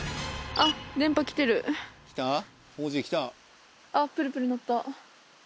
あっプルプル鳴った。